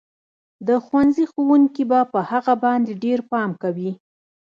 د ښوونځي ښوونکي به په هغه باندې ډېر پام کوي